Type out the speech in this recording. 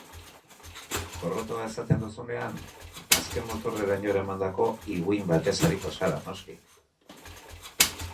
Gorrotoa esaten duzunean, azken-muturreraino eramandako higuin batez ariko zara, noski.